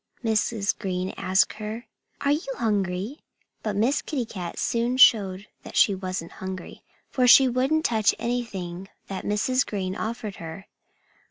Mrs. Green asked her. "Are you hungry?" But Miss Kitty Cat soon showed that she wasn't hungry, for she wouldn't touch anything that Mrs. Green offered her.